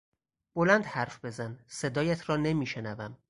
بلند حرف بزن، صدایت را نمیشنوم!